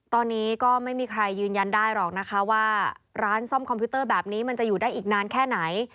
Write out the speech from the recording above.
ตอนนี้ก็ไม่มีใครยืนยันได้หรอกนะคะว่าร้านซ่อมคอมพิวเตอร์แบบนี้มันจะอยู่ได้อีกนานแค่ไหน